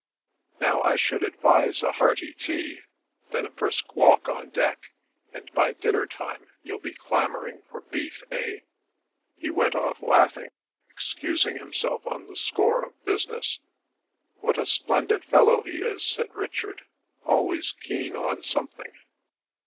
"Now, I should advise a hearty tea, then a brisk walk on deck; and by dinner time you'll be clamouring for beef, eh?" He went off laughing, excusing himself on the score of business. "What a splendid fellow he is!" said Richard. "Always keen on something."